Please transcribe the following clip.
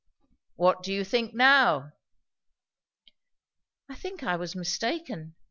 "What do you think now?" "I think I was mistaken.